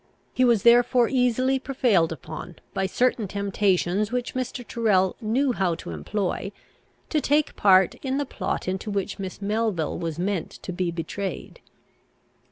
He was therefore easily prevailed upon, by certain temptations which Mr. Tyrrel knew how to employ, to take part in the plot into which Miss Melville was meant to be betrayed.